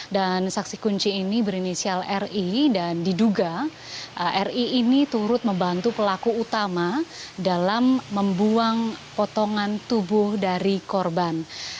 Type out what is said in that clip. dan saksi kunci ini berinisial ri dan diduga ri ini turut membantu pelaku utama dalam membuang potongan tubuh dari korban